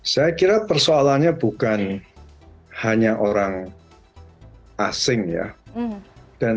saya kira persoalannya bukan hanya orang